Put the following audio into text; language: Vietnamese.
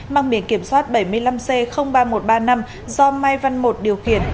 mang biển kiểm soát bảy mươi năm c ba nghìn một trăm ba mươi năm do mai văn một điều khiển